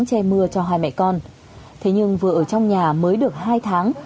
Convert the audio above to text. che mưa cho hai mẹ con thế nhưng vừa ở trong nhà mới được hai tháng